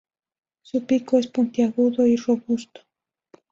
Su pico es puntiagudo y robusto.